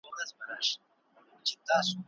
ښوونکي تل د خیر ښېګڼې غوښتونکي وي.